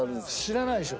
知らないでしょ？